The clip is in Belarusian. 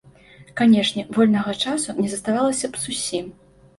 Канешне, вольнага часу не заставалася б зусім.